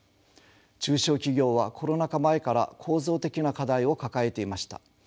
中小企業はコロナ禍前から構造的な課題を抱えていました。